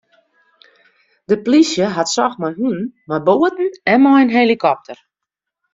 De plysje hat socht mei hûnen, mei boaten en mei in helikopter.